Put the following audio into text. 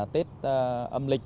tết âm lịch